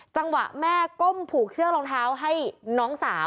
จังหวะแม่ก้มผูกเชือกรองเท้าให้น้องสาว